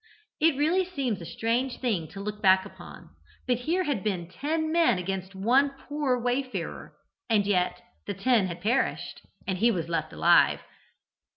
It really seems a strange thing to look back upon, but here had been ten men against one poor wayfarer, and yet the ten had perished, and he was left alive.